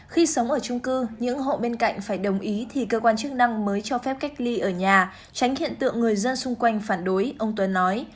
khi sống ở trung cư những hộ bên cạnh phải đồng ý thì cơ quan chức năng mới cho phép cách ly ở nhà tránh hiện tượng người dân xung quanh phản đối ông tuấn nói